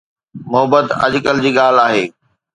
محبت اڄڪلهه جي ڳالهه آهي